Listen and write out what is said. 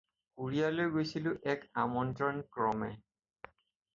কোৰিয়ালৈ গৈছিলোঁ এক আমন্ত্ৰন ক্ৰমে।